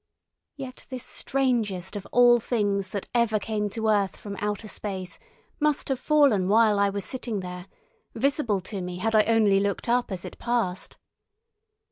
Yet this strangest of all things that ever came to earth from outer space must have fallen while I was sitting there, visible to me had I only looked up as it passed.